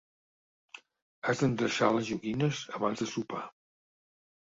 Has d'endreçar les joguines abans de sopar.